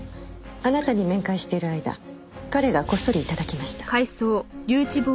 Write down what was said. あなたに面会している間彼がこっそり頂きました。